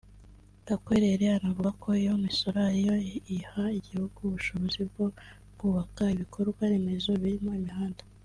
Gakwerere anavuga ko iyo misoro ari yo iha igihugu ubushobozi bwo kubaka ibikorwa remezo birimo imihanda